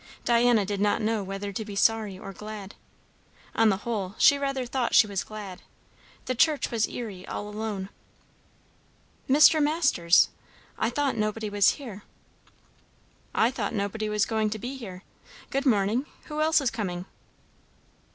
Diana did not know whether to be sorry or glad. On the whole, she rather thought she was glad; the church was eerie all alone. "Mr. Masters! I thought nobody was here." "I thought nobody was going to be here. Good morning! Who else is coming?"